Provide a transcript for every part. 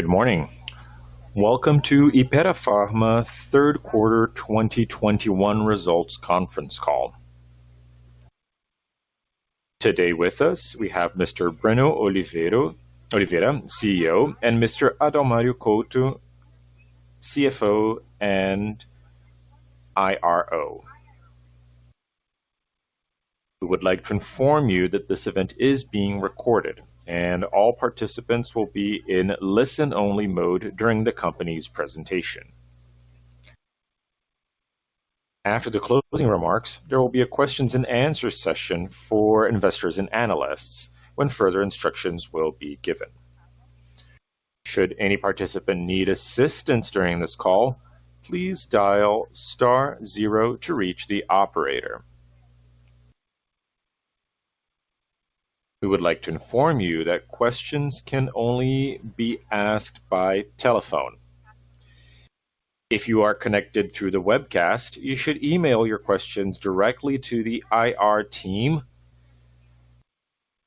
Good morning. Welcome to Hypera Pharma Third Quarter 2021 Results Conference Call. Today with us, we have Mr. Breno Oliveira, CEO, and Mr. Adalmario Couto, CFO and IRO. We would like to inform you that this event is being recorded, and all participants will be in listen-only mode during the company's presentation. After the closing remarks, there will be a questions and answers session for investors and analysts when further instructions will be given. Should any participant need assistance during this call, please dial star zero to reach the operator. We would like to inform you that questions can only be asked by telephone. If you are connected through the webcast, you should email your questions directly to the IR team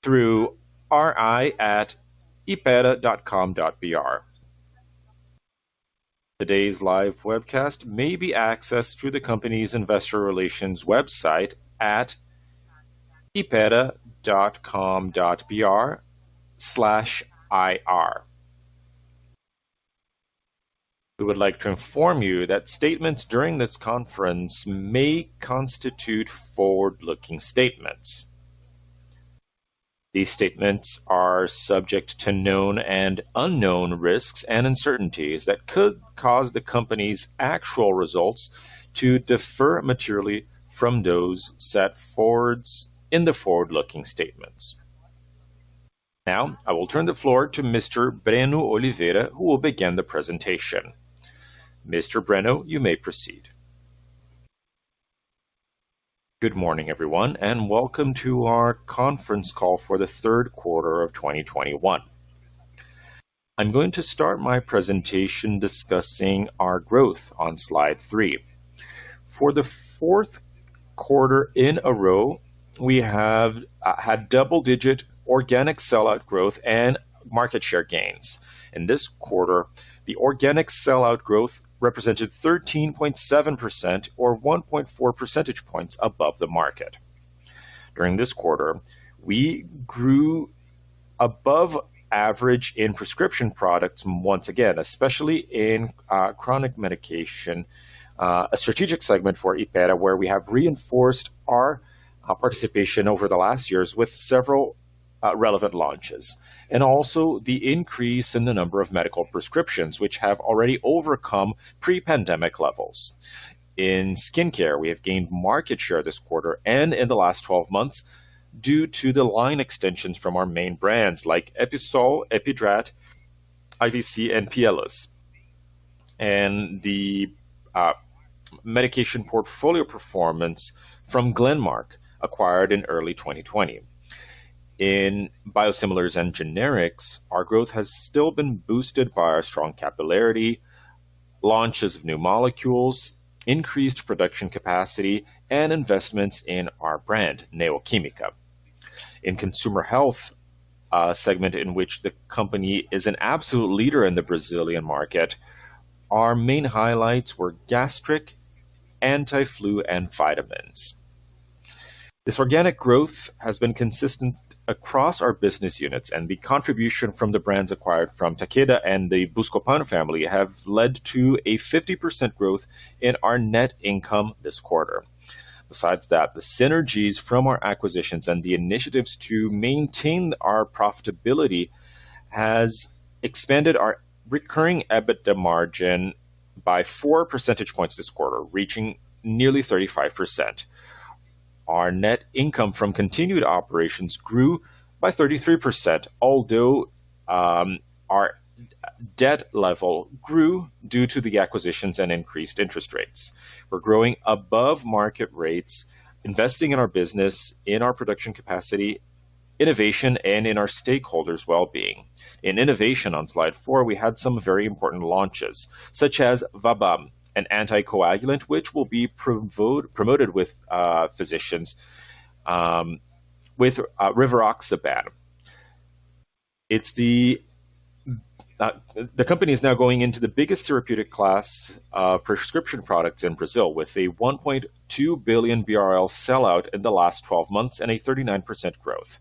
through ri@hypera.com.br. Today's live webcast may be accessed through the company's investor relations website at hypera.com.br/ir. We would like to inform you that statements during this conference may constitute forward-looking statements. These statements are subject to known and unknown risks and uncertainties that could cause the company's actual results to differ materially from those set in the forward-looking statements. Now, I will turn the floor to Mr. Breno Oliveira, who will begin the presentation. Mr. Breno, you may proceed. Good morning, everyone, and welcome to our conference call for the third quarter of 2021. I'm going to start my presentation discussing our growth on slide 3. For the fourth quarter in a row, we have had double-digit organic sell-out growth and market share gains. In this quarter, the organic sell-out growth represented 13.7% or 1.4 percentage points above the market. During this quarter, we grew above average in prescription products once again, especially in chronic medication, a strategic segment for Hypera, where we have reinforced our participation over the last years with several relevant launches. Also the increase in the number of medical prescriptions, which have already overcome pre-pandemic levels. In skincare, we have gained market share this quarter and in the last 12 months due to the line extensions from our main brands like Episol, Epidrat, Vitasay, and Pielus. The medication portfolio performance from Glenmark, acquired in early 2020. In biosimilars and generics, our growth has still been boosted by our strong capillarity, launches of new molecules, increased production capacity, and investments in our brand, Neo Química. In consumer health, a segment in which the company is an absolute leader in the Brazilian market, our main highlights were gastric, anti-flu, and vitamins. This organic growth has been consistent across our business units. The contribution from the brands acquired from Takeda and the Buscopan family have led to a 50% growth in our net income this quarter. Besides that, the synergies from our acquisitions and the initiatives to maintain our profitability has expanded our recurring EBITDA margin by four percentage points this quarter, reaching nearly 35%. Our net income from continued operations grew by 33%, although our debt level grew due to the acquisitions and increased interest rates. We're growing above market rates, investing in our business, in our production capacity, innovation, and in our stakeholders' well-being. In innovation on slide 4, we had some very important launches, such as Vabam, an anticoagulant, which will be promoted with physicians with rivaroxaban. The company is now going into the biggest therapeutic class prescription products in Brazil with a 1.2 billion BRL sell-out in the last 12 months and a 39% growth.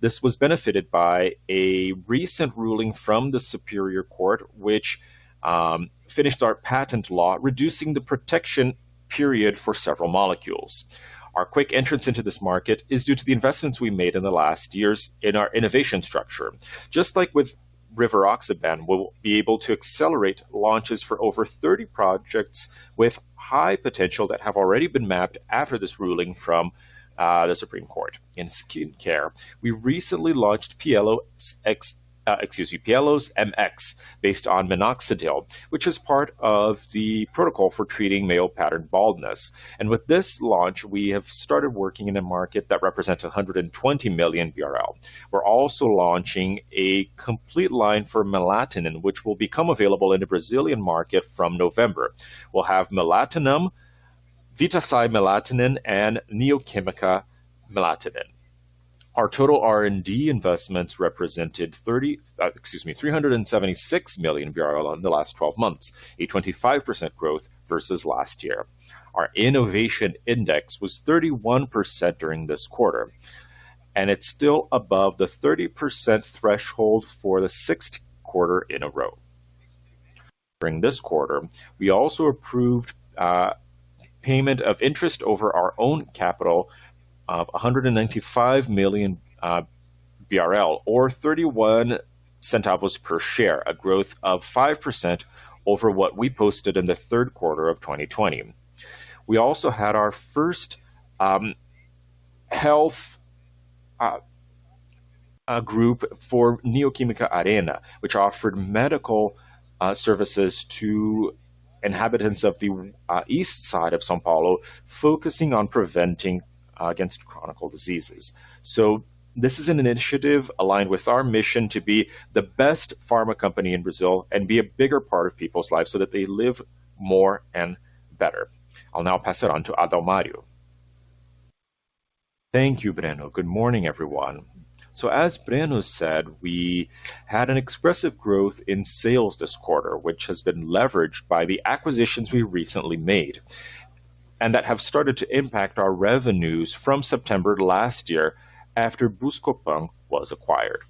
This was benefited by a recent ruling from the Supreme Court, which finished our patent law, reducing the protection period for several molecules. Our quick entrance into this market is due to the investments we made in the last years in our innovation structure. Just like with rivaroxaban, we'll be able to accelerate launches for over 30 projects with high potential that have already been mapped after this ruling from the Supreme Court. In skincare, we recently launched Pielus MX based on minoxidil, which is part of the protocol for treating male pattern baldness. With this launch, we have started working in a market that represents 120 million BRL. We're also launching a complete line for Melatonin, which will become available in the Brazilian market from November. We'll have Melatonum, Vitasay Melatonina, and Neo Química Melatonina. Our total R&D investments represented 376 million in the last 12 months, a 25% growth versus last year. Our innovation index was 31% during this quarter, it's still above the 30% threshold for the 16th quarter in a row. During this quarter, we also approved payment of interest over our own capital of 195 million BRL, or 0.31 per share, a growth of 5% over what we posted in the third quarter of 2020. We also had our first health group for Neo Química Arena, which offered medical services to inhabitants of the east side of São Paulo, focusing on preventing against chronic diseases. This is an initiative aligned with our mission to be the best pharma company in Brazil and be a bigger part of people's lives so that they live more and better. I'll now pass it on to Adalmario. Thank you, Breno. Good morning, everyone. As Breno said, we had an expressive growth in sales this quarter, which has been leveraged by the acquisitions we recently made and that have started to impact our revenues from September last year after Buscopan was acquired.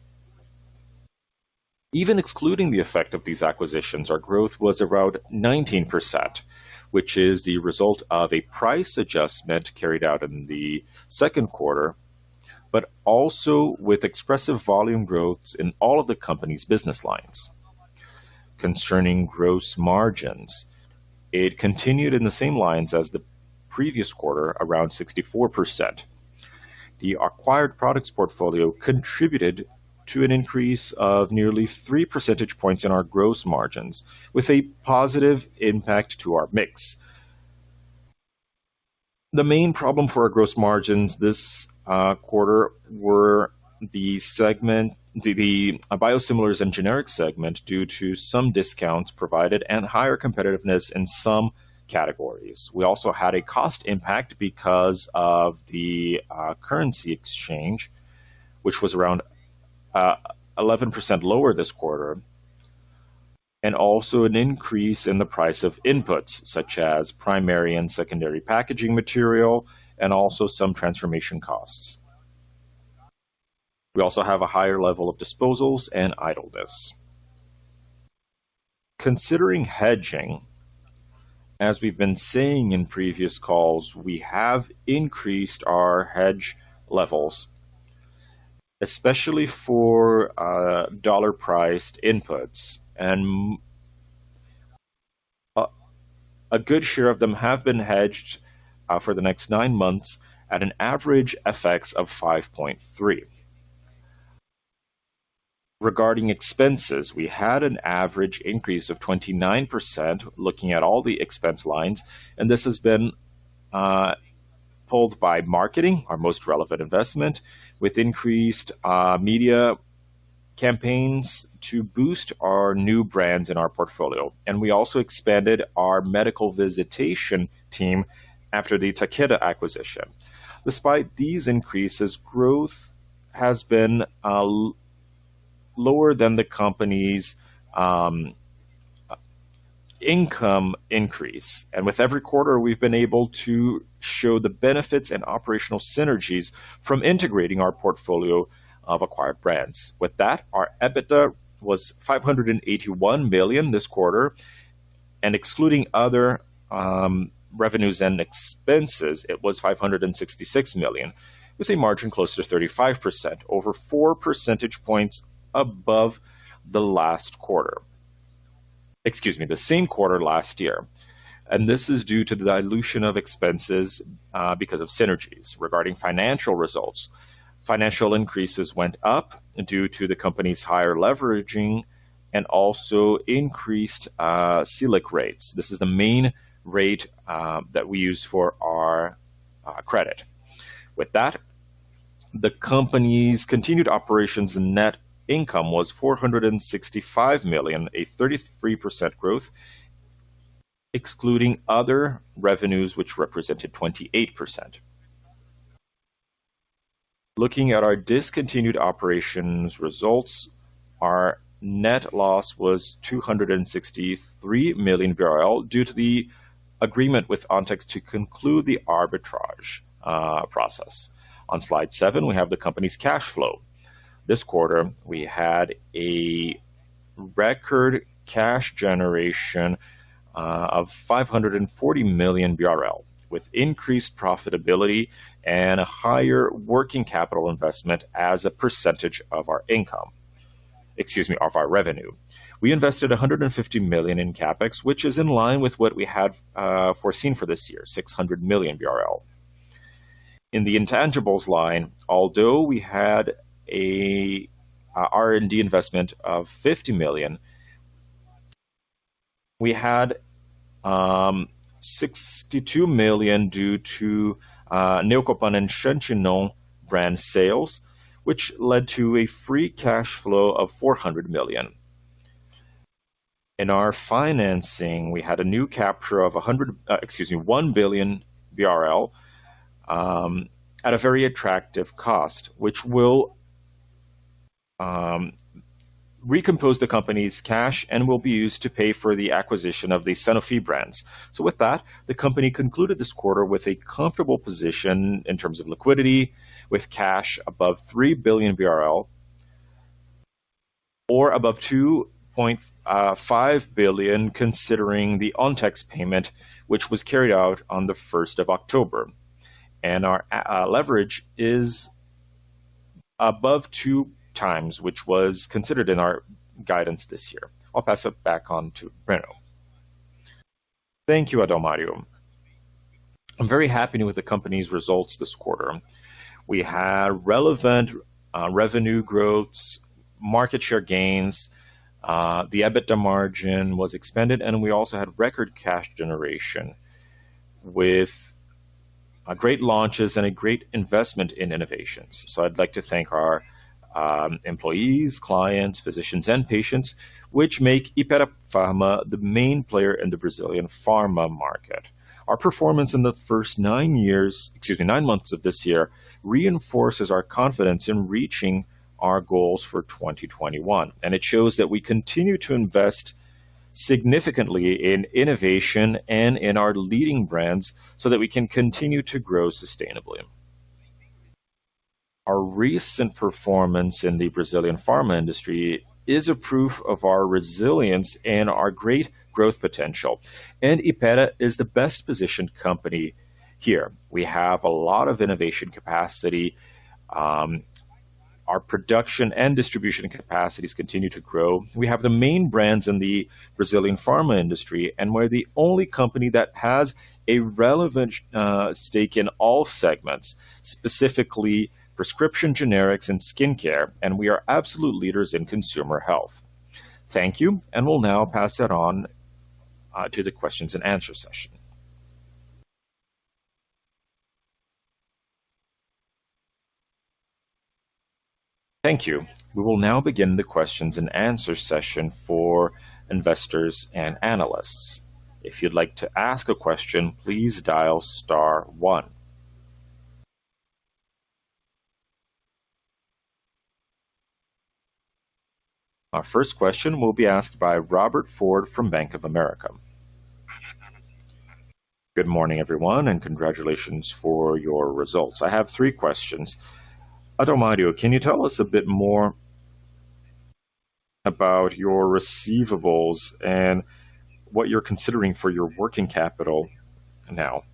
Even excluding the effect of these acquisitions, our growth was around 19%, which is the result of a price adjustment carried out in the second quarter, but also with expressive volume growth in all of the company's business lines. Concerning gross margins, it continued in the same lines as the previous quarter, around 64%. The acquired products portfolio contributed to an increase of nearly 3 percentage points in our gross margins with a positive impact to our mix. The main problem for our gross margins this quarter were the biosimilars and generic segment due to some discounts provided and higher competitiveness in some categories. We also had a cost impact because of the currency exchange, which was around 11% lower this quarter, and also an increase in the price of inputs such as primary and secondary packaging material, and also some transformation costs. We also have a higher level of disposals and idleness. Considering hedging, as we've been saying in previous calls, we have increased our hedge levels, especially for dollar-priced inputs, and a good share of them have been hedged for the next nine months at an average FX of 5.3. Regarding expenses, we had an average increase of 29% looking at all the expense lines, this has been pulled by marketing, our most relevant investment, with increased media campaigns to boost our new brands in our portfolio. We also expanded our medical visitation team after the Takeda acquisition. Despite these increases, growth has been lower than the company's income increase. With every quarter, we've been able to show the benefits and operational synergies from integrating our portfolio of acquired brands. With that, our EBITDA was 581 million this quarter, and excluding other revenues and expenses, it was 566 million. It was a margin closer to 35%, over 4 percentage points above the last quarter. Excuse me, the same quarter last year. Regarding financial results, financial increases went up due to the company's higher leveraging and also increased Selic rates. This is the main rate that we use for our credit. With that, the company's continued operations net income was 465 million, a 33% growth, excluding other revenues, which represented 28%. Looking at our discontinued operations results, our net loss was 263 million BRL due to the agreement with Ontex to conclude the arbitrage process. On slide 7, we have the company's cash flow. This quarter, we had a record cash generation of 540 million BRL, with increased profitability and a higher working capital investment as a percentage of our income. Excuse me, of our revenue. We invested 150 million in CapEx, which is in line with what we had foreseen for this year, 600 million BRL. In the intangibles line, although we had a R&D investment of 50 million, we had 62 million due to Neocopan and Xantinon brand sales, which led to a free cash flow of 400 million. In our financing, we had a new capture of 1 billion BRL at a very attractive cost, which will recompose the company's cash and will be used to pay for the acquisition of the Sanofi brands. With that, the company concluded this quarter with a comfortable position in terms of liquidity, with cash above 3 billion BRL, or above 2.5 billion, considering the Ontex payment, which was carried out on the 1st of October. Our leverage is above 2x, which was considered in our guidance this year. I'll pass it back on to Breno. Thank you, Adalmario. I'm very happy with the company's results this quarter. We had relevant revenue growths, market share gains, the EBITDA margin was expanded. We also had record cash generation with great launches and a great investment in innovations. I'd like to thank our employees, clients, physicians, and patients, which make Hypera Pharma the main player in the Brazilian pharma market. Our performance in the first nine months of this year reinforces our confidence in reaching our goals for 2021. It shows that we continue to invest significantly in innovation and in our leading brands so that we can continue to grow sustainably. Our recent performance in the Brazilian pharma industry is a proof of our resilience and our great growth potential. Hypera is the best-positioned company here. We have a lot of innovation capacity. Our production and distribution capacities continue to grow. We have the main brands in the Brazilian pharma industry. We are the only company that has a relevant stake in all segments, specifically prescription, generics, and skincare. We are absolute leaders in consumer health. Thank you. We will now pass it on to the questions and answer session. Thank you. We will now begin the questions and answer session for investors and analysts. If you would like to ask a question, please dial star one. Our first question will be asked by Robert Ford from Bank of America. Good morning, everyone. Congratulations for your results. I have three questions. Adalmario, can you tell us a bit more about your receivables and what you are considering for your working capital now?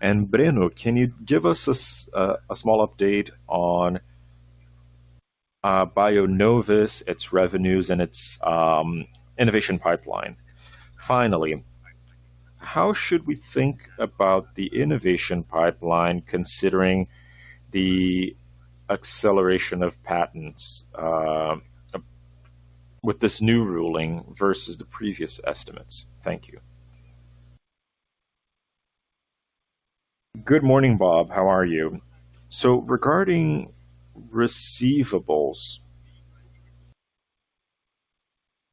Breno, can you give us a small update on Bionovis, its revenues, and its innovation pipeline? Finally, how should we think about the innovation pipeline considering the acceleration of patents with this new ruling versus the previous estimates? Thank you. Good morning, Bob. How are you? Regarding receivables,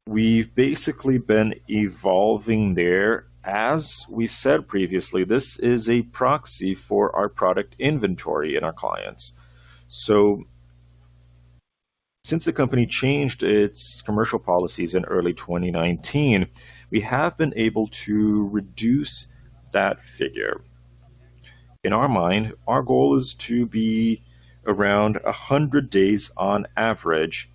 we've basically been evolving there. As we said previously, this is a proxy for our product inventory and our clients. Since the company changed its commercial policies in early 2019, we have been able to reduce that figure. In our mind, our goal is to be around 100 days on average.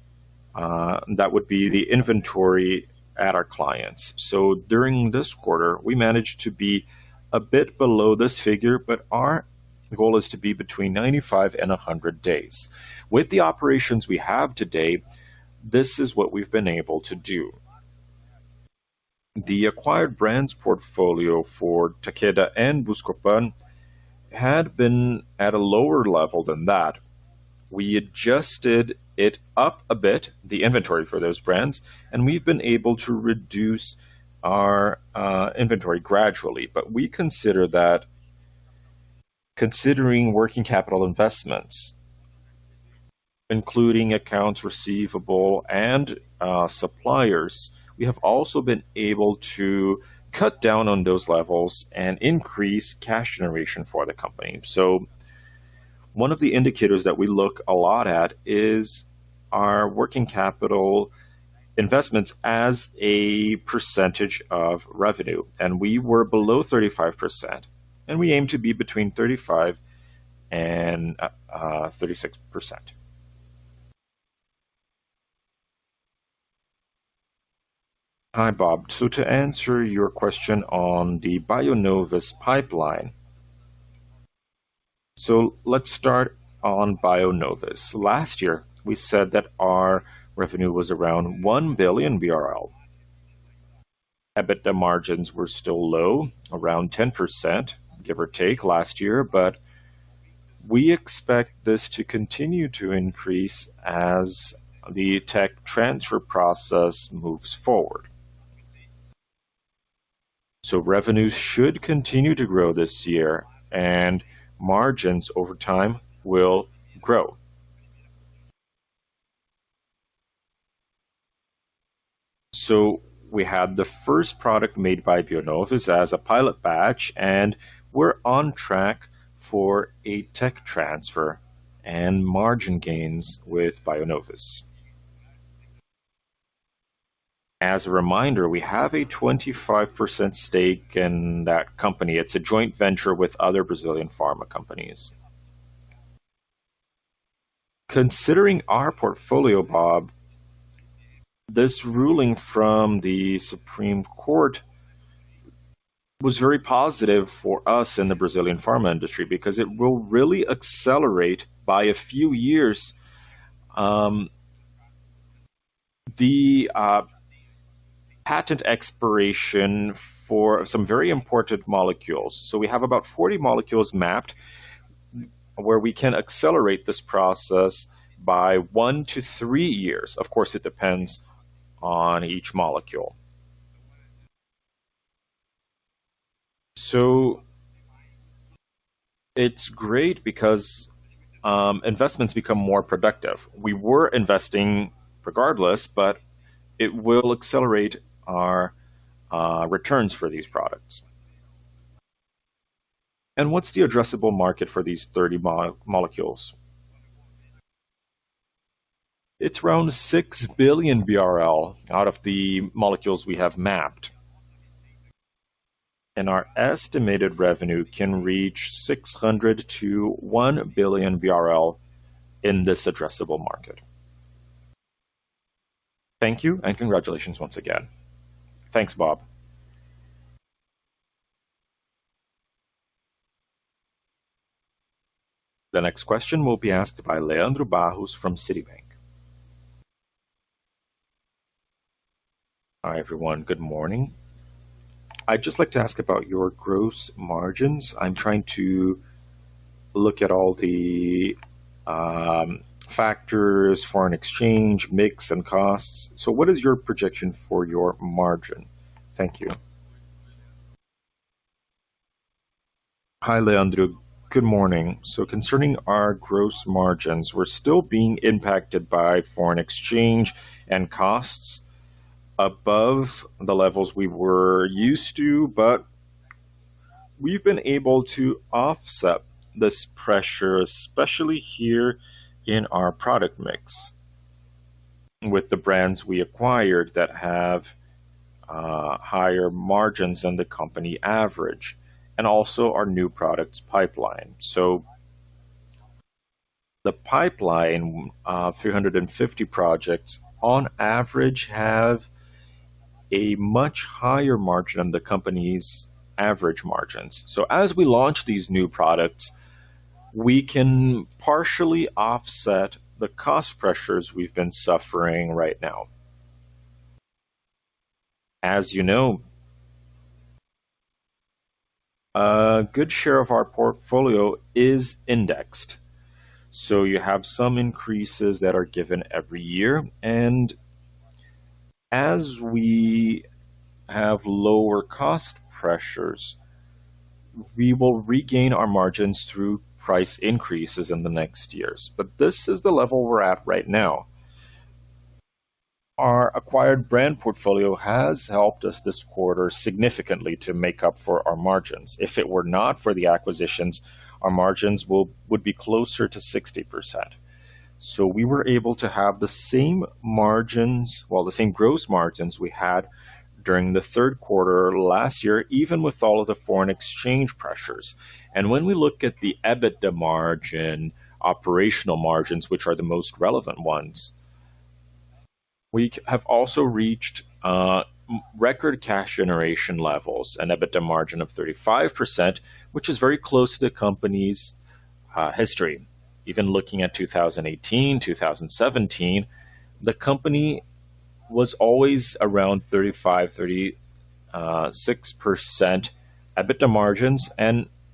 That would be the inventory at our clients. During this quarter, we managed to be a bit below this figure, but our goal is to be between 95 and 100 days. With the operations we have today, this is what we've been able to do. The acquired brands portfolio for Takeda and Buscopan had been at a lower level than that. We adjusted it up a bit, the inventory for those brands, and we've been able to reduce our inventory gradually. We consider that considering working capital investments, including accounts receivable and suppliers, we have also been able to cut down on those levels and increase cash generation for the company. One of the indicators that we look a lot at is our working capital investments as a percentage of revenue, and we were below 35%, and we aim to be between 35% and 36%. Hi, Bob. To answer your question on the Bionovis pipeline. Let's start on Bionovis. Last year, we said that our revenue was around 1 billion BRL. EBITDA margins were still low, around 10%, give or take last year, but we expect this to continue to increase as the tech transfer process moves forward. Revenues should continue to grow this year and margins over time will grow. We had the first product made by Bionovis as a pilot batch, and we're on track for a tech transfer and margin gains with Bionovis. As a reminder, we have a 25% stake in that company. It's a joint venture with other Brazilian pharma companies. Considering our portfolio, Bob, this ruling from the Supreme Court was very positive for us in the Brazilian pharma industry because it will really accelerate by a few years the patent expiration for some very important molecules. We have about 40 molecules mapped where we can accelerate this process by one to three years. Of course, it depends on each molecule. It's great because investments become more productive. We were investing regardless, but it will accelerate our returns for these products. What's the addressable market for these 30 molecules? It's around 6 billion BRL out of the molecules we have mapped. Our estimated revenue can reach 600-1 billion BRL in this addressable market. Thank you, and congratulations once again. Thanks, Bob. The next question will be asked by Leandro Barros from Citibank. Hi, everyone. Good morning. I'd just like to ask about your gross margins. I'm trying to look at all the factors, foreign exchange, mix, and costs. What is your projection for your margin? Thank you. Hi, Leandro. Good morning. Concerning our gross margins, we're still being impacted by foreign exchange and costs above the levels we were used to, but we've been able to offset this pressure, especially here in our product mix, with the brands we acquired that have higher margins than the company average, and also our new products pipeline. The pipeline, 350 projects, on average, have a much higher margin than the company's average margins. As we launch these new products, we can partially offset the cost pressures we've been suffering right now. As you know, a good share of our portfolio is indexed, so you have some increases that are given every year. As we have lower cost pressures, we will regain our margins through price increases in the next years. This is the level we're at right now. Our acquired brand portfolio has helped us this quarter significantly to make up for our margins. If it were not for the acquisitions, our margins would be closer to 60%. We were able to have the same margins, well, the same gross margins we had during the third quarter last year, even with all of the foreign exchange pressures. When we look at the EBITDA margin, operational margins, which are the most relevant ones, we have also reached record cash generation levels and EBITDA margin of 35%, which is very close to the company's history. Even looking at 2018, 2017, the company was always around 35%, 36% EBITDA margins.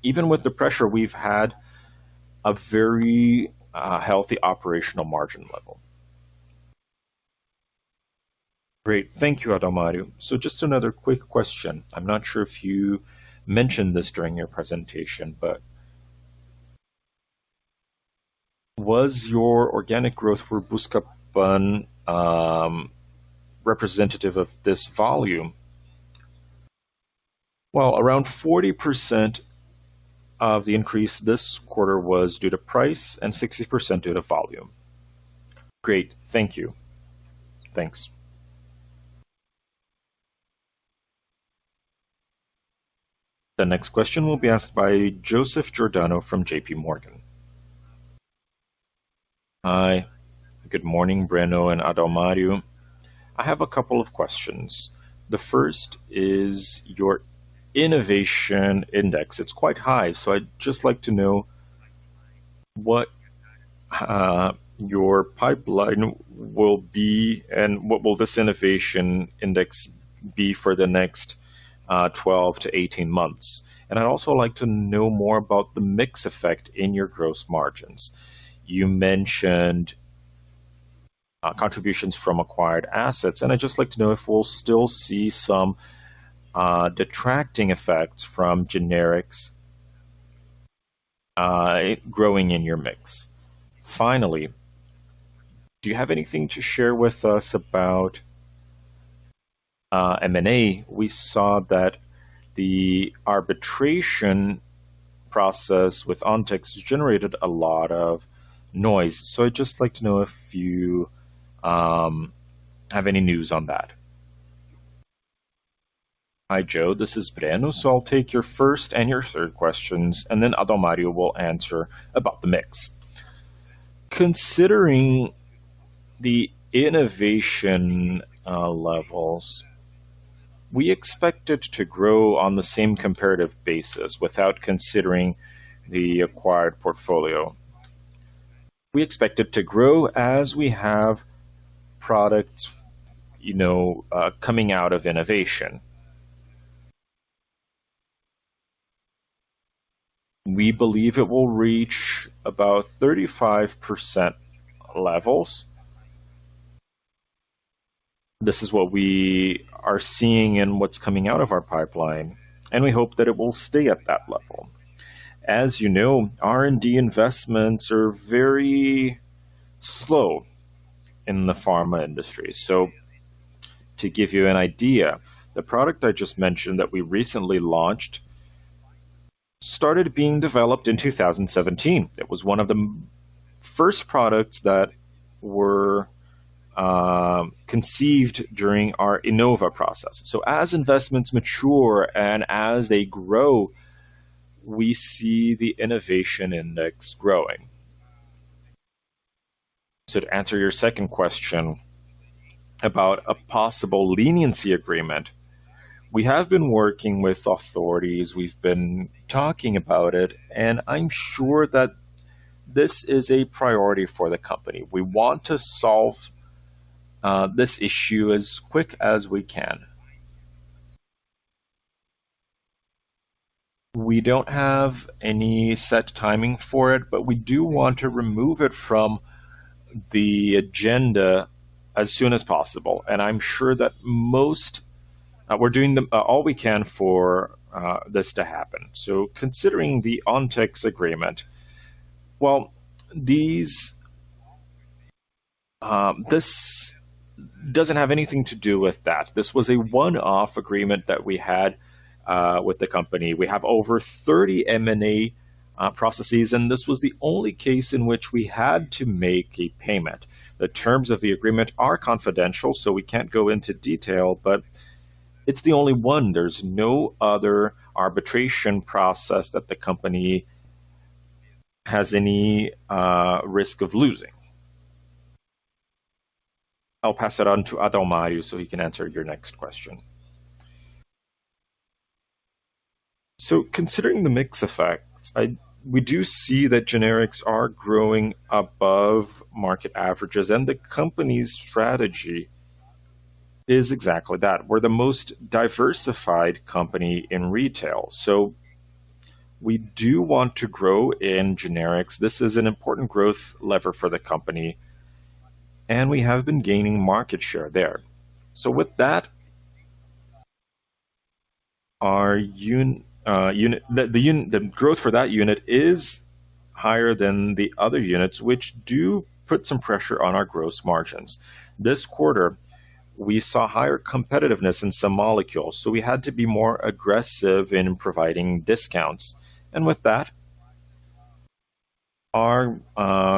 Even with the pressure, we've had a very healthy operational margin level. Great. Thank you, Adalmario. Just another quick question. I'm not sure if you mentioned this during your presentation, but was your organic growth for Buscopan representative of this volume? Well, around 40% of the increase this quarter was due to price and 60% due to volume. Great. Thank you. Thanks. The next question will be asked by Joseph Giordano from JPMorgan. Hi. Good morning, Breno and Adalmario. I have a couple of questions. The first is your innovation index. It's quite high, I'd just like to know what your pipeline will be and what will this innovation index be for the next 12 to 18 months. I'd also like to know more about the mix effect in your gross margins. You mentioned contributions from acquired assets, and I'd just like to know if we'll still see some detracting effects from generics growing in your mix. Do you have anything to share with us about M&A? We saw that the arbitration process with Ontex generated a lot of noise. I'd just like to know if you have any news on that. Hi, Joe. This is Breno. I'll take your first and your third questions. Adalmario will answer about the mix. Considering the innovation levels, we expect it to grow on the same comparative basis without considering the acquired portfolio. We expect it to grow as we have product coming out of innovation. We believe it will reach about 35% levels. This is what we are seeing and what's coming out of our pipeline. We hope that it will stay at that level. As you know, R&D investments are very slow in the pharma industry. To give you an idea, the product I just mentioned that we recently launched started being developed in 2017. It was one of the first products that were conceived during our Inova process. As investments mature and as they grow, we see the innovation index growing. To answer your second question about a possible leniency agreement, we have been working with authorities. We've been talking about it, and I'm sure that this is a priority for the company. We want to solve this issue as quick as we can. We don't have any set timing for it, but we do want to remove it from the agenda as soon as possible. I'm sure that we're doing all we can for this to happen. Considering the Ontex agreement, well, this doesn't have anything to do with that. This was a one-off agreement that we had with the company. We have over 30 M&A processes, and this was the only case in which we had to make a payment. The terms of the agreement are confidential, so we can't go into detail, but it's the only one. There's no other arbitration process that the company has any risk of losing. I'll pass it on to Adalmario so he can answer your next question. Considering the mix effect, we do see that generics are growing above market averages, and the company's strategy is exactly that. We're the most diversified company in retail. We do want to grow in generics. This is an important growth lever for the company, and we have been gaining market share there. With that, the growth for that unit is higher than the other units, which do put some pressure on our gross margins. This quarter, we saw higher competitiveness in some molecules, so we had to be more aggressive in providing discounts. With that, our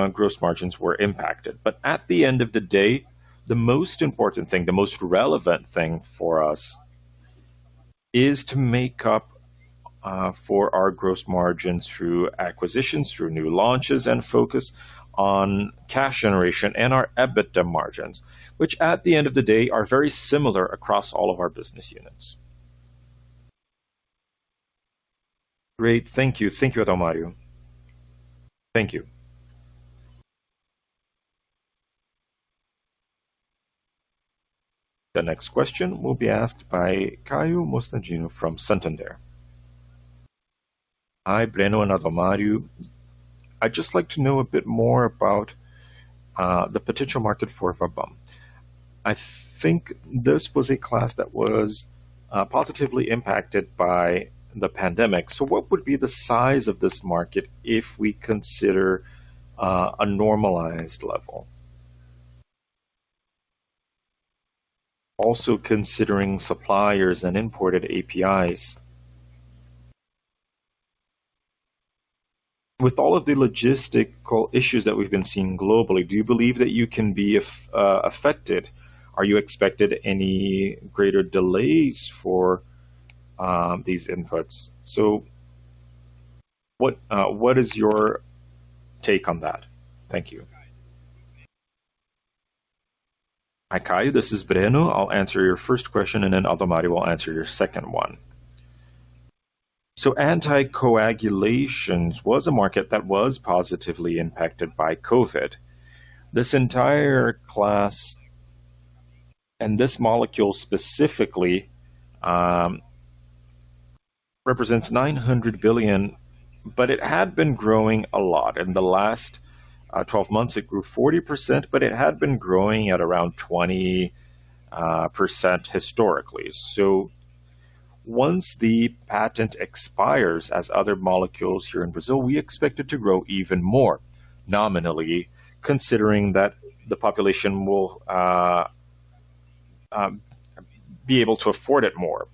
gross margins were impacted. At the end of the day, the most important thing, the most relevant thing for us, is to make up for our gross margins through acquisitions, through new launches, and focus on cash generation and our EBITDA margins, which at the end of the day, are very similar across all of our business units. Great. Thank you. Thank you, Adalmario. Thank you. The next question will be asked by Caio Moscardini from Santander. Hi, Breno and Adalmario. I'd just like to know a bit more about the potential market for Vabam. I think this was a class that was positively impacted by the pandemic. What would be the size of this market if we consider a normalized level? Considering suppliers and imported APIs. With all of the logistical issues that we've been seeing globally, do you believe that you can be affected? Are you expecting any greater delays for these inputs? What is your take on that? Thank you. Hi, Caio. This is Breno. I'll answer your first question and then Adalmario will answer your second one. Anticoagulations was a market that was positively impacted by COVID. This entire class and this molecule specifically represents 900 billion, but it had been growing a lot. In the last 12 months, it grew 40%, but it had been growing at around 20% historically. Once the patent expires, as other molecules here in Brazil, we expect it to grow even more nominally, considering that the population will be able to afford it more.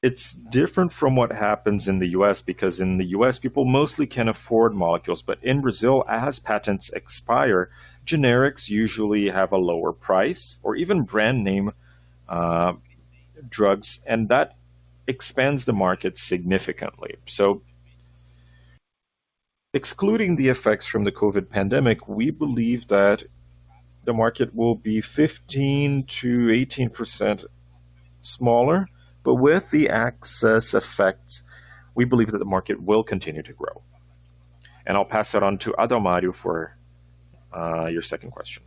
It's different from what happens in the U.S. because in the U.S., people mostly can afford molecules. In Brazil, as patents expire, generics usually have a lower price or even brand name drugs, and that expands the market significantly. Excluding the effects from the COVID pandemic, we believe that the market will be 15%-18% smaller. With the access effect, we believe that the market will continue to grow. I'll pass it on to Adalmario for your second question.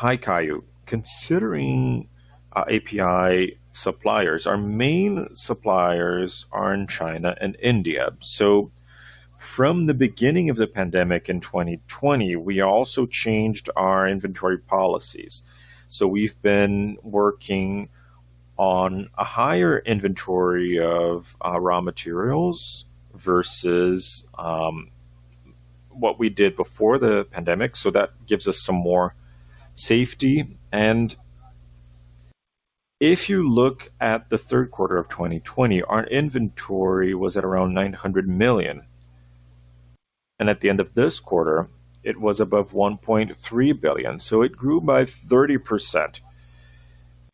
Hi, Caio. Considering API suppliers, our main suppliers are in China and India. From the beginning of the pandemic in 2020, we also changed our inventory policies. We've been working on a higher inventory of raw materials versus what we did before the pandemic. That gives us some more safety. If you look at the third quarter of 2020, our inventory was at around 900 million. At the end of this quarter, it was above 1.3 billion. It grew by 30%.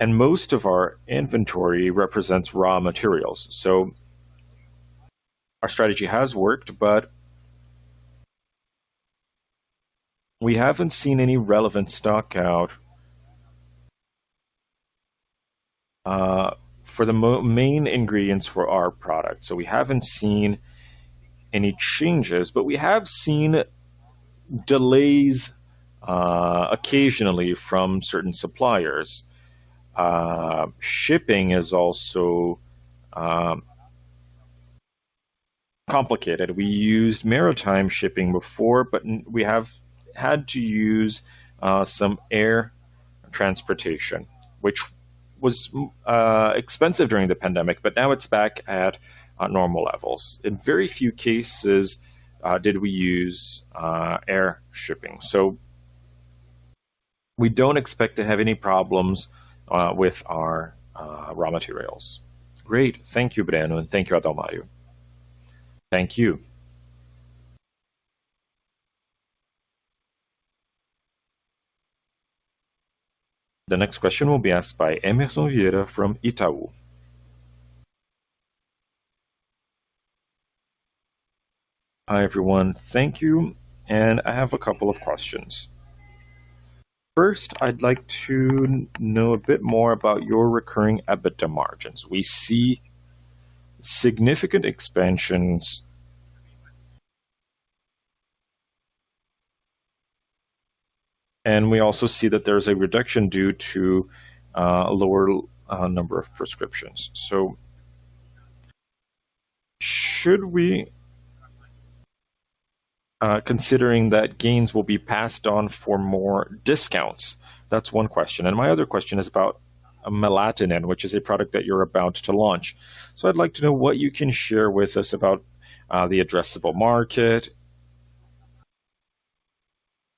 Most of our inventory represents raw materials. Our strategy has worked, but we haven't seen any relevant stock out for the main ingredients for our product. We haven't seen any changes, but we have seen delays occasionally from certain suppliers. Shipping is also complicated. We used maritime shipping before, but we have had to use some air transportation, which was expensive during the pandemic, but now it's back at normal levels. In very few cases did we use air shipping. We don't expect to have any problems with our raw materials. Great. Thank you, Breno, and thank you, Adalmario. Thank you. The next question will be asked by Emerson Vieira from Itaú. Hi, everyone. Thank you. I have a couple of questions. First, I'd like to know a bit more about your recurring EBITDA margins. We see significant expansions, and we also see that there's a reduction due to a lower number of prescriptions. Considering that gains will be passed on for more discounts? That's one question. My other question is about melatonin, which is a product that you're about to launch. I'd like to know what you can share with us about the addressable market,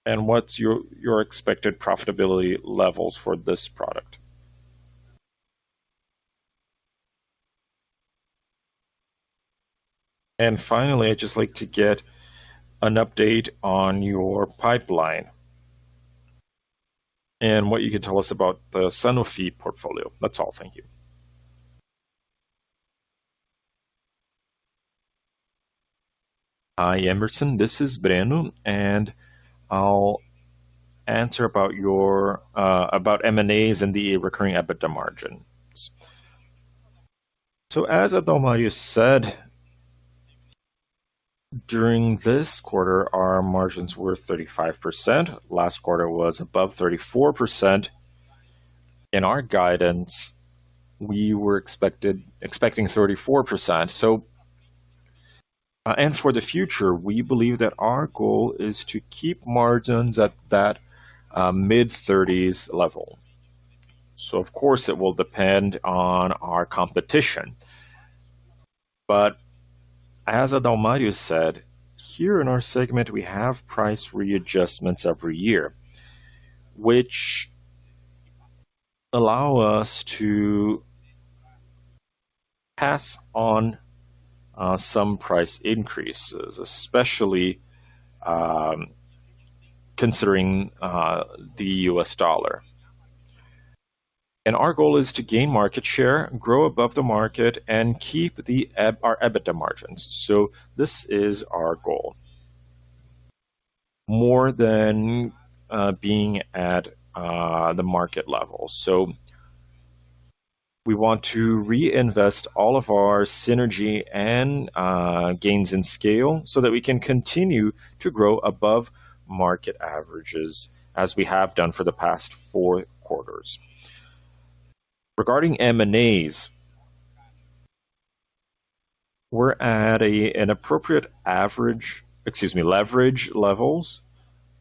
and what's your expected profitability levels for this product. Finally, I'd just like to get an update on your pipeline and what you can tell us about the Sanofi portfolio. That's all. Thank you. Hi, Emerson. This is Breno, and I'll answer about M&As and the recurring EBITDA margins. As Adalmario said, during this quarter, our margins were 35%. Last quarter was above 34%. In our guidance, we were expecting 34%. For the future, we believe that our goal is to keep margins at that mid-30s level. Of course, it will depend on our competition. As Adalmario said, here in our segment, we have price readjustments every year, which allow us to pass on some price increases, especially considering the U.S. dollar. Our goal is to gain market share, grow above the market, and keep our EBITDA margins. This is our goal. More than being at the market level. We want to reinvest all of our synergy and gains in scale so that we can continue to grow above market averages as we have done for the past four quarters. Regarding M&As, we're at appropriate average, excuse me, leverage levels,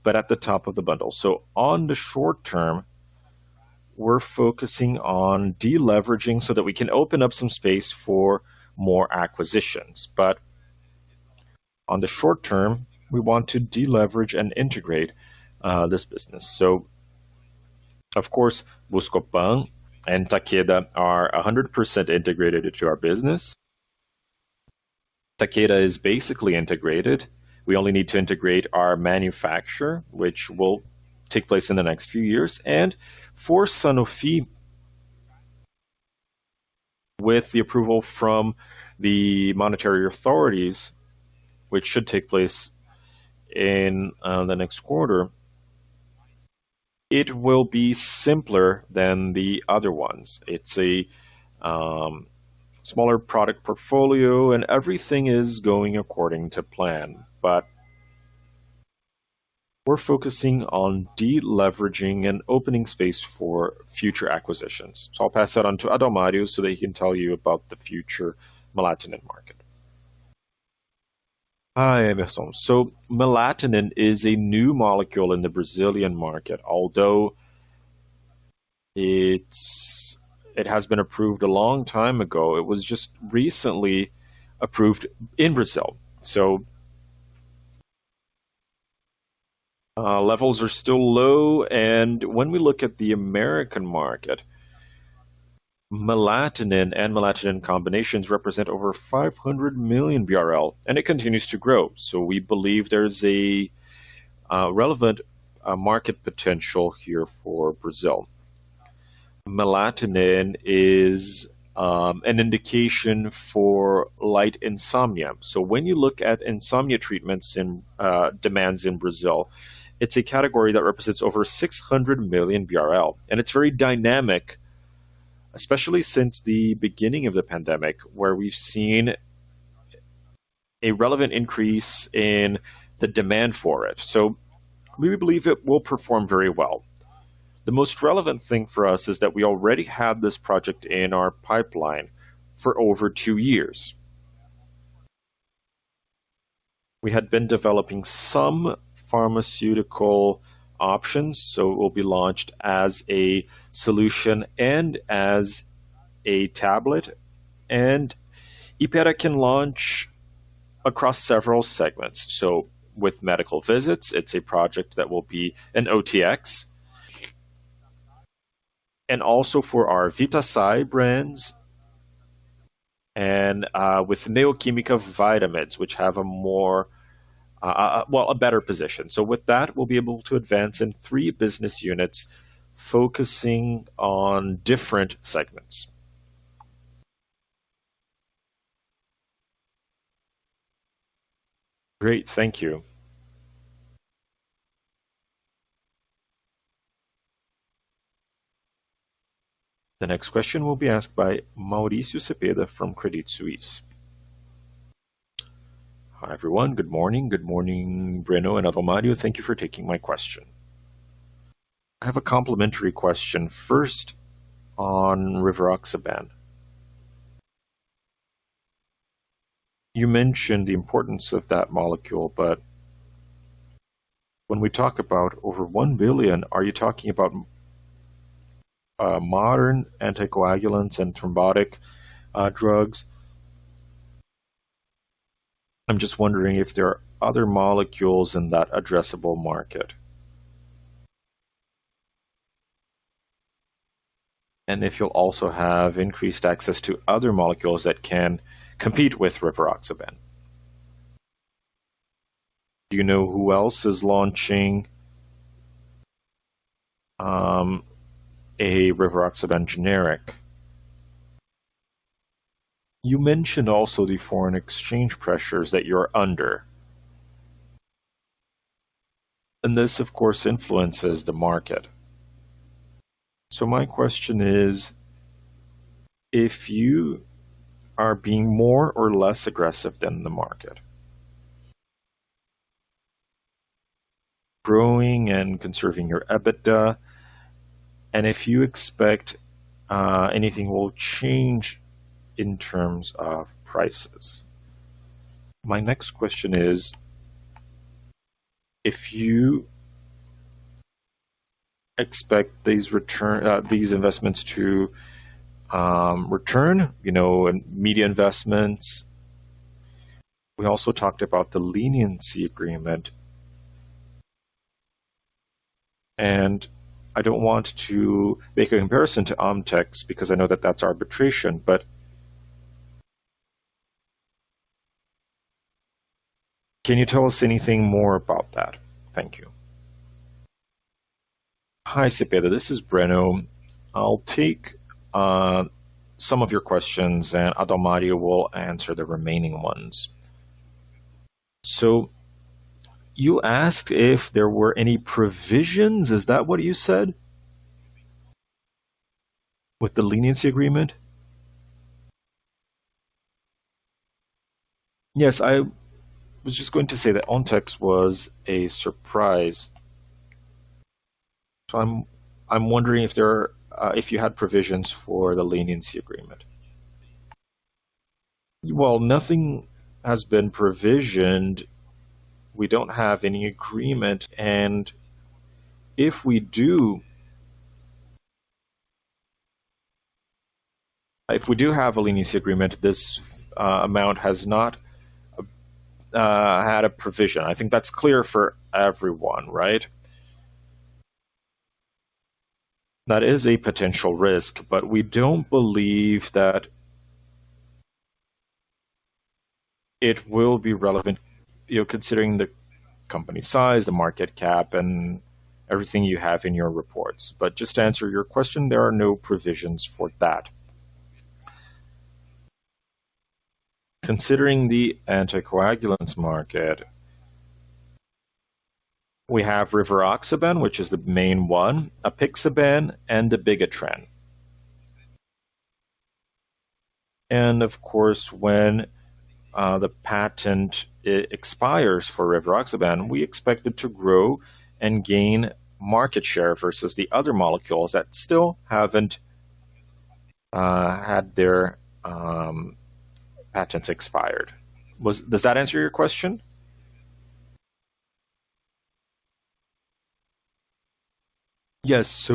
but at the top of the bundle. On the short term, we're focusing on de-leveraging so that we can open up some space for more acquisitions. On the short term, we want to de-leverage and integrate this business. Of course, Buscopan and Takeda are 100% integrated into our business. Takeda is basically integrated. We only need to integrate our manufacture, which will take place in the next few years. For Sanofi, with the approval from the monetary authorities, which should take place in the next quarter, it will be simpler than the other ones. It's a smaller product portfolio and everything is going according to plan. We're focusing on de-leveraging and opening space for future acquisitions. I'll pass that on to Adalmario so that he can tell you about the future melatonin market. Hi, Emerson. Melatonin is a new molecule in the Brazilian market. Although it has been approved a long time ago, it was just recently approved in Brazil. Levels are still low, and when we look at the American market, melatonin and melatonin combinations represent over 500 million BRL, and it continues to grow. We believe there's a relevant market potential here for Brazil. Melatonin is an indication for light insomnia. When you look at insomnia treatments demands in Brazil, it's a category that represents over 600 million BRL, and it's very dynamic, especially since the beginning of the pandemic, where we've seen a relevant increase in the demand for it. We believe it will perform very well. The most relevant thing for us is that we already had this project in our pipeline for over two years. We had been developing some pharmaceutical options, it will be launched as a solution and as a tablet. Hypera can launch across several segments. With medical visits, it's a project that will be an OTX. Also for our Vitasay brands and with Neo Química vitamins, which have a better position. With that, we'll be able to advance in three business units focusing on different segments. Great. Thank you. The next question will be asked by Mauricio Cepeda from Credit Suisse. Hi, everyone. Good morning. Good morning, Breno and Adalmario. Thank you for taking my question. I have a complementary question, first on rivaroxaban. You mentioned the importance of that molecule, but when we talk about over 1 billion, are you talking about modern anticoagulants and thrombotic drugs? I'm just wondering if there are other molecules in that addressable market, and if you'll also have increased access to other molecules that can compete with rivaroxaban. Do you know who else is launching a rivaroxaban generic? You mentioned also the foreign exchange pressures that you're under, and this, of course, influences the market. My question is, if you are being more or less aggressive than the market, growing and conserving your EBITDA, and if you expect anything will change in terms of prices. My next question is, if you expect these investments to return, media investments. We also talked about the leniency agreement, and I don't want to make a comparison to Ontex because I know that that's arbitration, but can you tell us anything more about that? Thank you. Hi, Cepeda. This is Breno. I'll take some of your questions, and Adalmario will answer the remaining ones. You asked if there were any provisions, is that what you said? With the leniency agreement? Yes, I was just going to say that Ontex was a surprise. I'm wondering if you had provisions for the leniency agreement. While nothing has been provisioned, we don't have any agreement, and if we do have a leniency agreement, this amount has not had a provision. I think that's clear for everyone, right? That is a potential risk. We don't believe that it will be relevant considering the company size, the market cap, and everything you have in your reports. Just to answer your question, there are no provisions for that. Considering the anticoagulants market, we have rivaroxaban, which is the main one, apixaban, and dabigatran. Of course, when the patent expires for rivaroxaban, we expect it to grow and gain market share versus the other molecules that still haven't had their patents expired. Does that answer your question? Yes.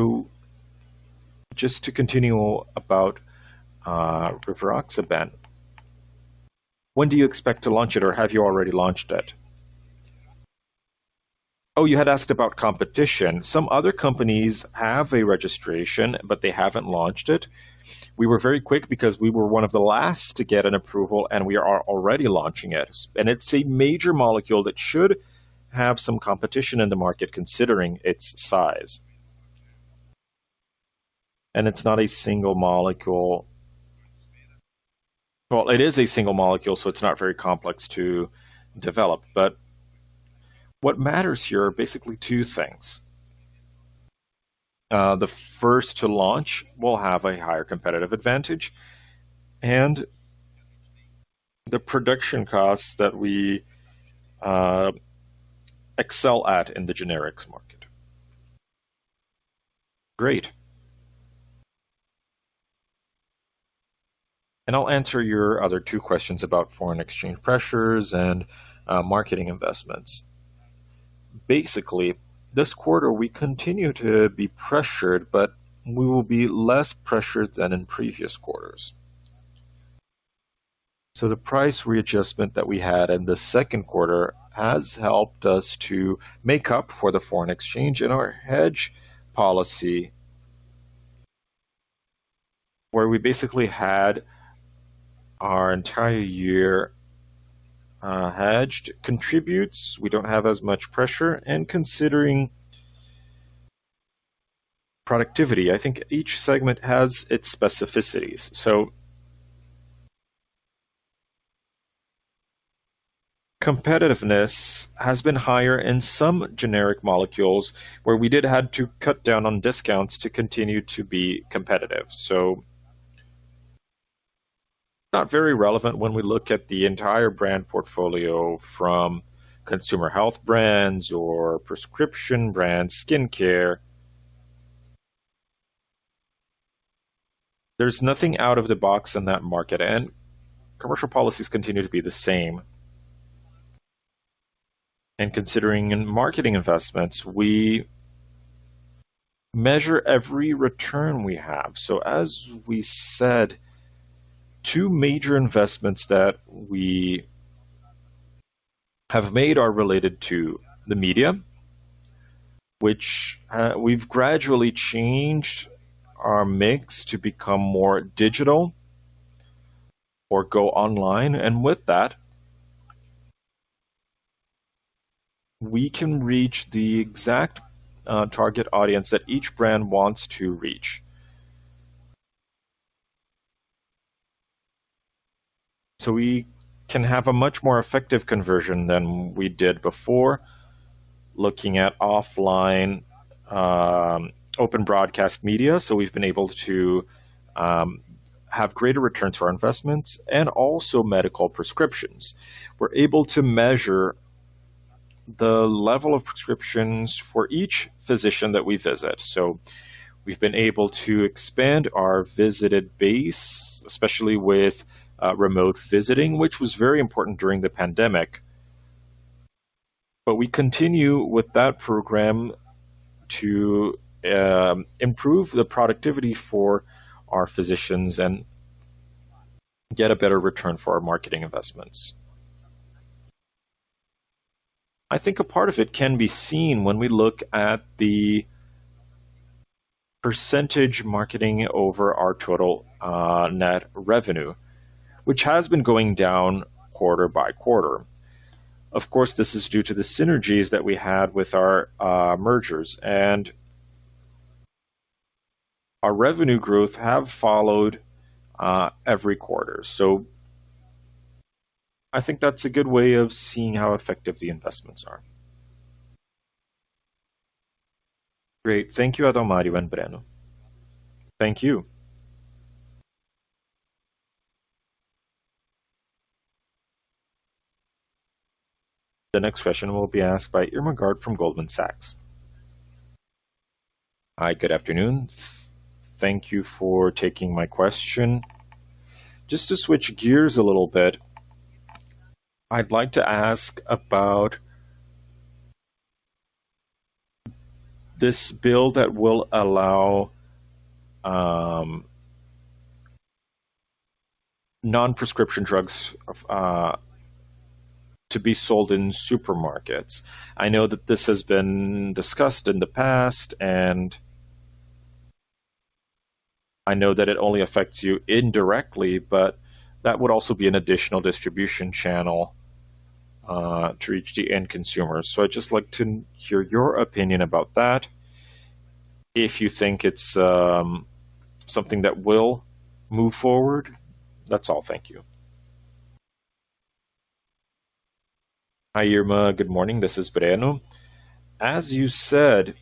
Just to continue about rivaroxaban, when do you expect to launch it, or have you already launched it? Oh, you had asked about competition. Some other companies have a registration, but they haven't launched it. We were very quick because we were one of the last to get an approval, and we are already launching it. It's a major molecule that should have some competition in the market, considering its size. It's not a single molecule. Well, it is a single molecule, so it's not very complex to develop. What matters here are basically two things. The first to launch will have a higher competitive advantage and the production costs that we excel at in the generics market. Great. I'll answer your other two questions about foreign exchange pressures and marketing investments. Basically, this quarter, we continue to be pressured, but we will be less pressured than in previous quarters. The price readjustment that we had in the second quarter has helped us to make up for the foreign exchange in our hedge policy, where we basically had our entire year hedged contributes. We don't have as much pressure. Considering productivity, I think each segment has its specificities. Competitiveness has been higher in some generic molecules, where we did have to cut down on discounts to continue to be competitive. Not very relevant when we look at the entire brand portfolio from consumer health brands or prescription brands, skincare. There's nothing out of the box in that market, and commercial policies continue to be the same. Considering in marketing investments, we measure every return we have. As we said, two major investments that we have made are related to the media, which we've gradually changed our mix to become more digital or go online. With that, we can reach the exact target audience that each brand wants to reach. We can have a much more effective conversion than we did before looking at offline open broadcast media. We've been able to have greater returns for our investments and also medical prescriptions. We're able to measure the level of prescriptions for each physician that we visit. We've been able to expand our visited base, especially with remote visiting, which was very important during the pandemic. We continue with that program to improve the productivity for our physicians and get a better return for our marketing investments. I think a part of it can be seen when we look at the percentage marketing over our total net revenue, which has been going down quarter by quarter. Of course, this is due to the synergies that we had with our mergers. Our revenue growth have followed every quarter. I think that's a good way of seeing how effective the investments are. Great. Thank you, Admario and Breno. Thank you. The next question will be asked by Irma Sgarz from Goldman Sachs. Hi, good afternoon. Thank you for taking my question. Just to switch gears a little bit, I'd like to ask about this bill that will allow non-prescription drugs to be sold in supermarkets. I know that this has been discussed in the past, and I know that it only affects you indirectly, but that would also be an additional distribution channel to reach the end consumers. I'd just like to hear your opinion about that. If you think it's something that will move forward? That's all. Thank you. Hi, Irma. Good morning. This is Breno. As you said,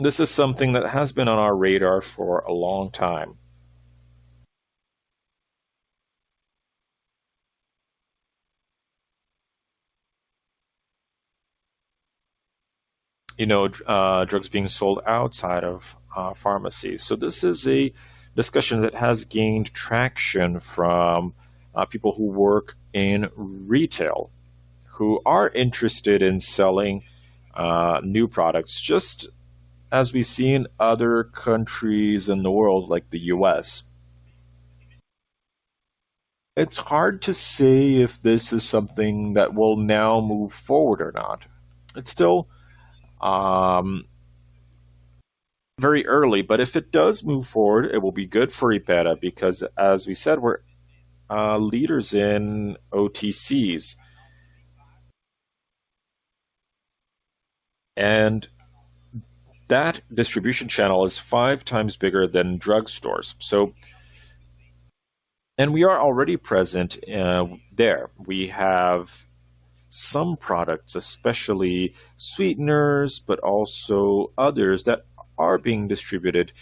this is something that has been on our radar for a long time. Drugs being sold outside of pharmacies. This is a discussion that has gained traction from people who work in retail, who are interested in selling new products, just as we see in other countries in the world, like the U.S. It's hard to say if this is something that will now move forward or not. It's still very early. If it does move forward, it will be good for Hypera, because as we said, we're leaders in OTCs. That distribution channel is five times bigger than drug stores. We are already present there. We have some products, especially sweeteners, but also others that are being distributed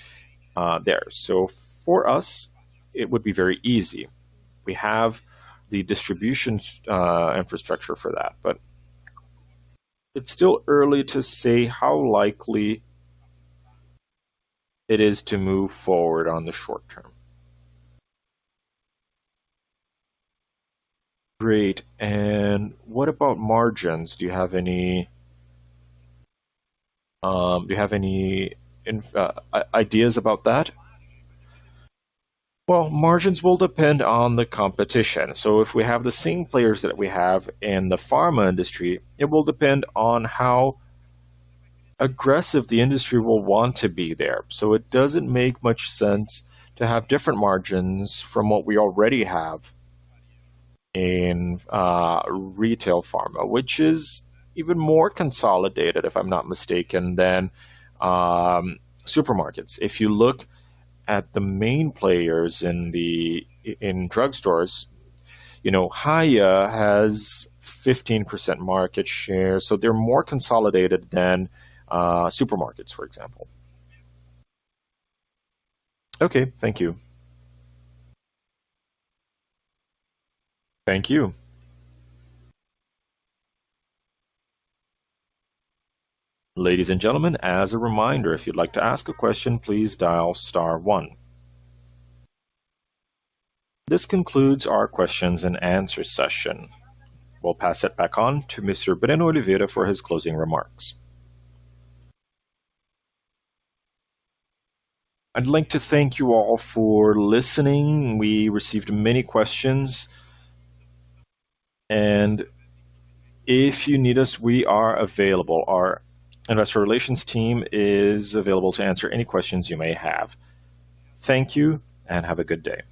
there. For us, it would be very easy. We have the distribution infrastructure for that, but it's still early to say how likely it is to move forward on the short term. Great. What about margins? Do you have any ideas about that? Well, margins will depend on the competition. If we have the same players that we have in the pharma industry, it will depend on how aggressive the industry will want to be there. It doesn't make much sense to have different margins from what we already have in retail pharma, which is even more consolidated, if I'm not mistaken, than supermarkets. If you look at the main players in drugstores, Hypera has 15% market share, so they're more consolidated than supermarkets, for example. Okay. Thank you. Thank you. Ladies and gentlemen, as a reminder, if you'd like to ask a question, please dial star one. This concludes our questions and answer session. We'll pass it back on to Mr. Breno Oliveira for his closing remarks. I'd like to thank you all for listening. We received many questions. If you need us, we are available. Our investor relations team is available to answer any questions you may have. Thank you and have a good day.